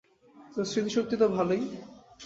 তোর স্মৃতি শক্তি তো ভালোই।